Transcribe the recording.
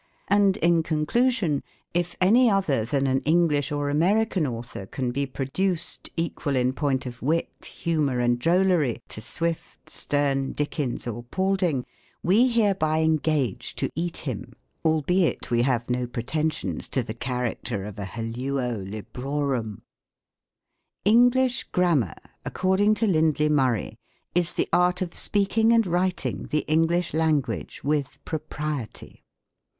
And in conclusion, if any other than an English or American author can be produced, equal in point of wit, humor, and drol lery, to Swift, Sterne, Dickens, or Paulding, we hereby engage to eat him ; albeit we have no pretensions to the character of a "helluo librorum." THE COMIC ENGLISH GRAMMAR. " English Grammar," according to Lindley Murray, "is the art of speaking and writing the English lan guage with propriety."